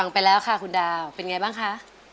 ไปแล้วค่ะคุณดาวเป็นไงบ้างคะ